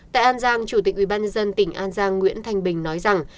tại an giang chủ tịch ủy ban nhân dân tỉnh an giang nguyễn thanh bình nói rằng